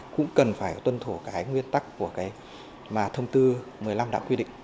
cũng cần phải tuân thủ cái nguyên tắc của cái mà thông tư một mươi năm đã quy định